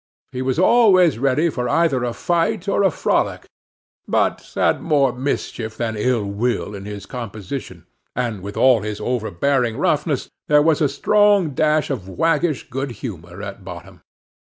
He was always ready for either a fight or a frolic; but had more mischief than ill will in his composition; and with all his overbearing roughness, there was a strong dash of waggish good humor at bottom.